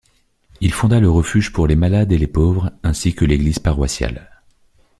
Il fonda le refuge pour les malades et les pauvres ainsi que l’église paroissiale.